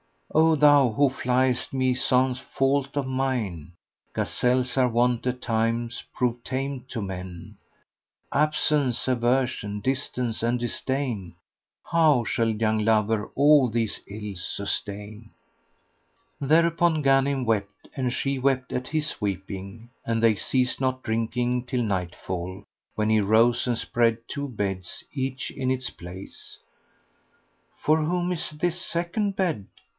O thou who fliest me sans fault of mine, * Gazelles are wont at times prove tame to men: Absence, aversion, distance and disdain, * How shall young lover all these ills sustain?" Thereupon Ghanim wept and she wept at his weeping, and they ceased not drinking till nightfall, when he rose and spread two beds, each in its place. "For whom is this second bed?"